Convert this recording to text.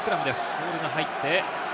ボールが入って。